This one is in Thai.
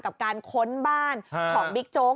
กับการค้นบ้านของบิ๊กโจ๊ก